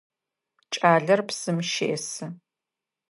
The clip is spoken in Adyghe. Кӏалэр псым щесы.